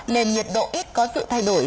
nên nhiệt độ ít có sự thay đổi